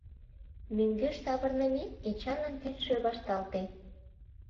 Мӧҥгеш савырнымек, Эчанын тӱсшӧ вашталте.